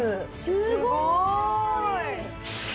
すごい！